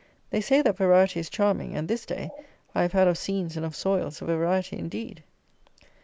They say that "variety is charming," and this day I have had of scenes and of soils a variety indeed!